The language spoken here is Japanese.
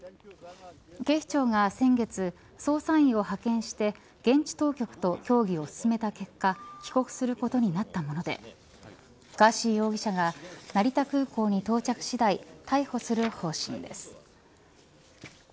警視庁が先月、捜査員を派遣して現地当局と協議を進めた結果帰国することになったものでガーシー容疑者が成田空港に到着次第逮捕する方針です。